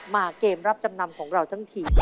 เกมรับจำนำของเราทั้งที